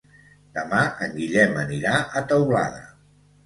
Demà en Guillem anirà a Teulada.